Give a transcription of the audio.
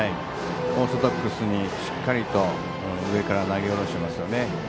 オーソドックスにしっかり上から投げ下ろしていますね。